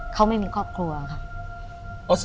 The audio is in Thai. เขาไม่มีครอบครัวค่ะ